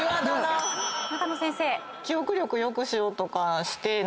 中野先生。